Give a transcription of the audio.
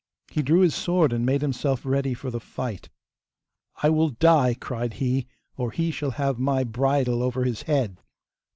He drew his sword and made himself ready for the fight. 'I will die!' cried he, 'or he shall have my bridle over his head.